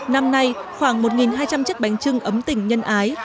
năm nay khoảng một hai trăm linh chiếc bánh trưng ấm tình nhân ái